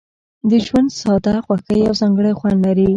د ژوند ساده خوښۍ یو ځانګړی خوند لري.